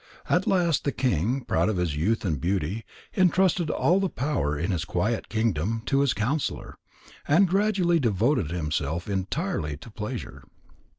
At last the king, proud of his youth and beauty, entrusted all the power in his quiet kingdom to his counsellor, and gradually devoted himself entirely to pleasure.